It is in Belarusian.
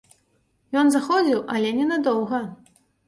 Ён заходзіў, але ненадоўга.